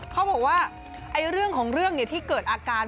เขาบอกว่าเรื่องของเรื่องที่เกิดอาการ